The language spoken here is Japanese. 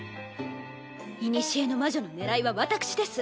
古の魔女の狙いは私です。